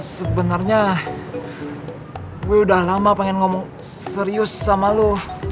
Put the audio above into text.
sebenarnya gue udah lama pengen ngomong serius sama lo